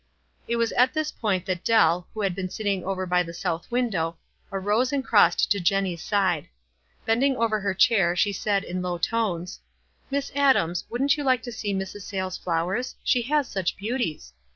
It was at this point that Dell, who had been sitting over by the south window, arose gnd crossed to Jenny's side. Bending over her chair, she said, in low tones, — "Miss Adams, wouldn't you like to see Mrs. Sayles' flowers? She has such beauties